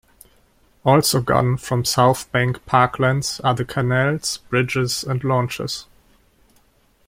Also gone from South Bank Parklands are the canals, bridges and launches.